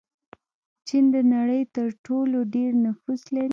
چین د نړۍ تر ټولو ډېر نفوس لري.